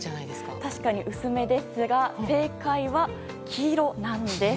確かに薄めですが正解は黄色なんです。